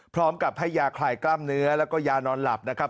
พร้อมกับให้ยาคลายกล้ามเนื้อแล้วก็ยานอนหลับนะครับ